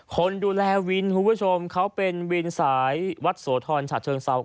คนดูแลวินคุณผู้ชมเขาเป็นวินสายวัดโสธรฉะเชิงเซา